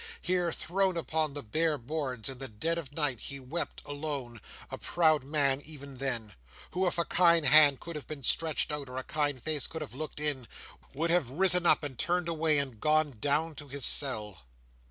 Here, thrown upon the bare boards, in the dead of night, he wept, alone—a proud man, even then; who, if a kind hand could have been stretched out, or a kind face could have looked in, would have risen up, and turned away, and gone down to his cell.